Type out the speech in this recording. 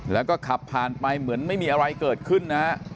แล้วก็ขับผ่านไปเหมือนไม่มีอะไรเกิดขึ้นนะฮะ